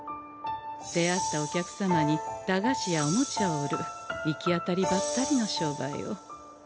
出会ったお客様に駄菓子やおもちゃを売る行き当たりばったりの商売を。